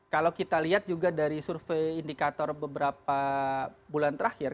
kalau kita lihat juga dari survei indikator beberapa bulan terakhir